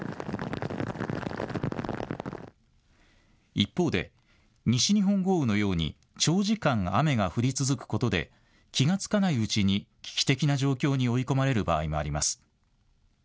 一方で西日本豪雨のように長時間、雨が降り続くことで気が付かないうちに危機的な状況に追い込まれる場合もあります。